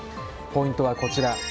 ポイントはこちら。